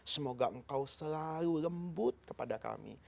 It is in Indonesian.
semoga engkau selalu lembut kepada kami